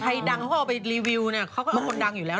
ใครดังเขาเอาไปรีวิวเนี่ยเขาก็คนดังอยู่แล้ว